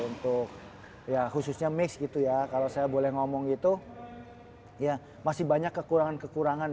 untuk ya khususnya mix gitu ya kalau saya boleh ngomong itu ya masih banyak kekurangan kekurangan